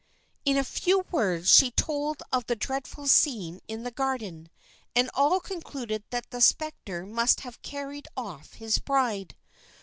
In a few words, she told of the dreadful scene in the garden; and all concluded that the spectre must have carried off his bride.